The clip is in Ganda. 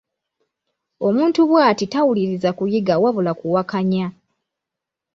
Omuntu bw'ati tawuliriza kuyiga wabula kuwakanya.